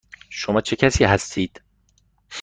شما چه کسی هستید؟